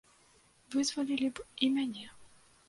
Вызвалілі б і мяне.